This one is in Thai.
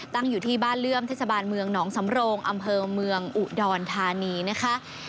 ตั้งอยู่ที่บ้านเลื่อมเทศบาลเมืองหนองสำโรงอำเภอเมืองอุดรธานีนะคะ